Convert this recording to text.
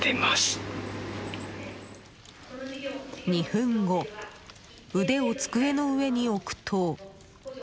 ２分後、腕を机の上に置くと。